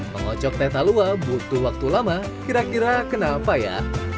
mengocok tetalua butuh waktu lama kira kira kenapa ya